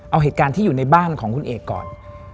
เอาเหตุการณ์ที่อยู่ในบ้านของคุณเอกก่อน